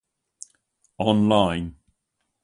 Online.